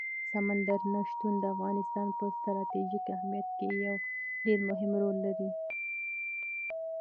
سمندر نه شتون د افغانستان په ستراتیژیک اهمیت کې یو ډېر مهم رول لري.